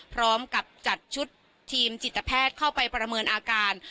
พร้อมกับจัดชุดทีมจิตแพทย์เข้าไปประเมินอาการ